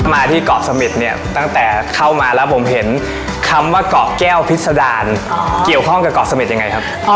มาที่เกาะเสม็ดเนี่ยตั้งแต่เข้ามาแล้วผมเห็นคำว่าเกาะแก้วพิษดารเกี่ยวข้องกับเกาะเสม็ดยังไงครับ